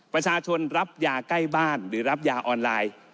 ประชาชนรับยาใกล้บ้านหรือรับยาออนไลน์